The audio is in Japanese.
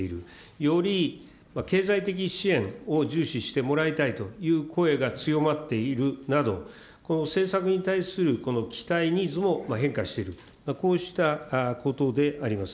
より経済的支援を重視してもらいたいという声が強まっているなど、この政策に対するこの期待、ニーズも変化している、こうしたことであります。